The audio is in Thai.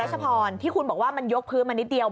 ชพรที่คุณบอกว่ามันยกพื้นมานิดเดียว